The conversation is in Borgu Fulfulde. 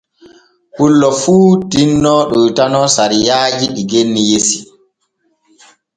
Pullo fu tinno ɗoytano sariyaaji ɗi genni yesi.